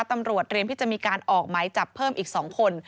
เตรียมที่จะมีการออกหมายจับเพิ่มอีก๒คน